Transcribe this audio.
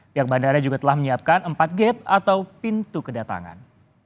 pihak bandara juga telah menyiapkan empat gate atau pintu kedatangan